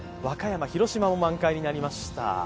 和歌山、広島も満開になってきました。